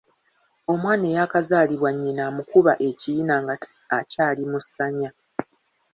Omwana eyaakazaalibwa nnyina amukuba ekiyina nga akyali mu ssanya